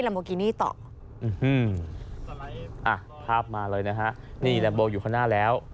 โมกินี่ต่ออืมอ่ะภาพมาเลยนะฮะนี่แหละโบอยู่ข้างหน้าแล้ว